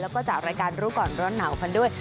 แล้วก็จากรายการรู้ก่อนร้อนหนาวกันด้วย